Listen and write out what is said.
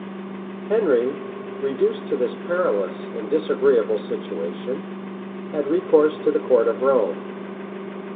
Henry, reduced to this perilous and disagreeable situation, had recourse to the court of Rome.